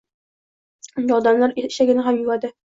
Unda odamlar eshagini ham yuvadi